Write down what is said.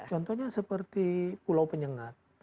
contohnya seperti pulau penyengat